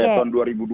eh tahun dua ribu dua